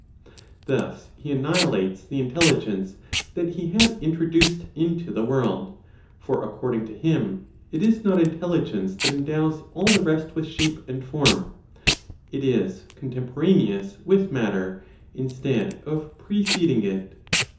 Thus he annihilates the intelligence that he had introduced into the world; for, according to him, it is not intelligence that endows all the rest with shape and form; it is contemporaneous with matter, instead of preceding it.